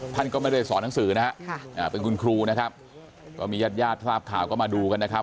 ท่านก็ไม่ได้สอนหนังสือนะฮะเป็นคุณครูนะครับก็มีญาติญาติทราบข่าวก็มาดูกันนะครับ